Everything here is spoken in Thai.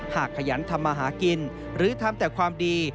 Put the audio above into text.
ขยันทำมาหากินหรือทำแต่ความดี